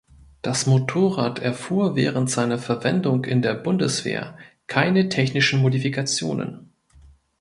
Das Motorrad erfuhr während seiner Verwendung in der Bundeswehr keine technischen Modifikationen.